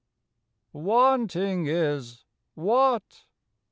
'" WANTING IS WHAT?